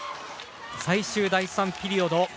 最終第３ピリオド。